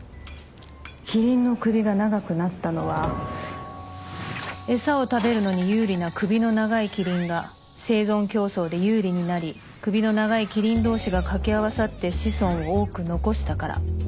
キリンの首が長くなったのは餌を食べるのに有利な首の長いキリンが生存競争で有利になり首の長いキリン同士が掛け合わさって子孫を多く残したから。